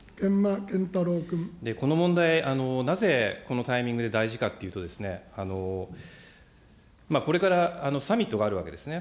この問題、なぜ、このタイミングで大事かっていうとですね、これからサミットがあるわけですね。